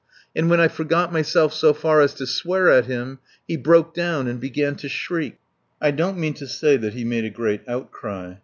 And when I forgot myself so far as to swear at him he broke down and began to shriek. I don't mean to say that he made a great outcry.